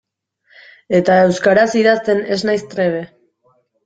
Eta euskaraz idazten ez naiz trebe.